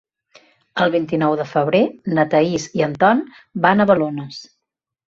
El vint-i-nou de febrer na Thaís i en Ton van a Balones.